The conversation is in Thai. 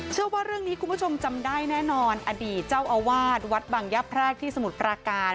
เชื่อว่าเรื่องนี้คุณผู้ชมจำได้แน่นอนอดีตเจ้าอาวาสวัดบังยะแพรกที่สมุทรปราการ